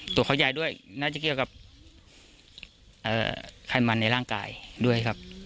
ตัวเขายายด้วยน่าจะเกี่ยวกับไขมันในร่างกายด้วยครับ